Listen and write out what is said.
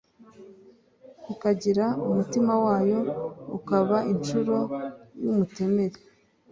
Ikagira umutima wayo, Ukaba incuro y' umutemeri,